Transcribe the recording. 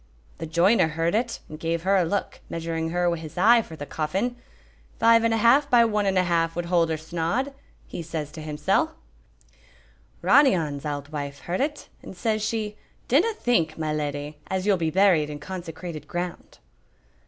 "The joiner heard it, and gave her a look, measuring her wi' his eye for the coffin. 'Five and a half by one and a half would hold her snod,' he says to himsel'." "Ronny On's auld wife heard it, and says she, 'Dinna think, my leddy, as you'll be buried in consecrated ground.'"